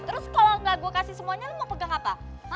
terus kalau nggak gue kasih semuanya lo mau pegang apa